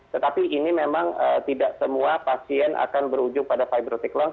tetapi ini memang tidak semua pasien akan berujung pada fibro tick lung